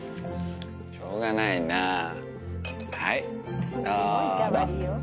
しょうがないなぁはいどうぞ。